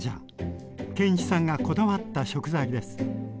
建一さんがこだわった食材です。